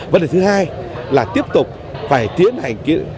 vấn đề thứ hai là tiếp tục phải tiến hành